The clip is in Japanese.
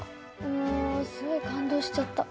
もうすごい感動しちゃった。